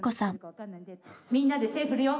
みんなで手振るよ。